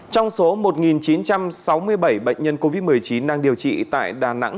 trong số một chín trăm sáu mươi bảy bệnh nhân covid một mươi chín đang điều trị tại đà nẵng